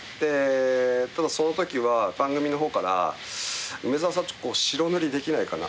ただその時は番組の方から「梅沢さん白塗りできないかな？」